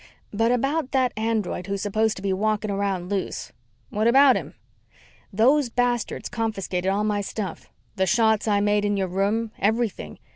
"But about that android that's supposed to be walking around loose." "What about him?" "Those bastards confiscated all my stuff. The shots I made in your room everything.